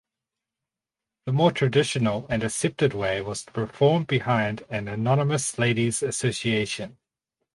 The more traditional and accepted way was to perform behind an anonymous lady’s association.